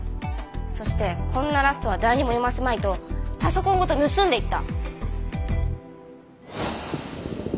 そしてこんなラストは誰にも読ませまいとパソコンごと盗んでいった。